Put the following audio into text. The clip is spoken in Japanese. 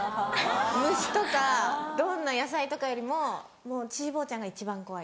「虫とかどんな野菜とかよりもちーぼぉちゃんが一番怖い」。